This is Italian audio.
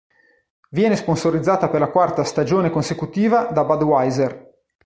Viene sponsorizzata per la quarta stagione consecutiva da Budweiser.